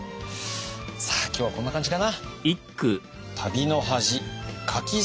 さあ今日はこんな感じかな。